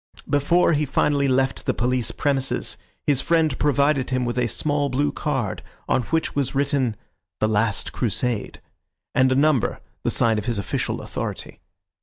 Before he finally left the police premises his friend provided him with a small blue card, on which was written, "The Last Crusade," and a number, the sign of his official authority.